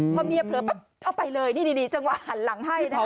พอเมียเผลอปั๊บเอาไปเลยนี่จังหวะหันหลังให้นะคะ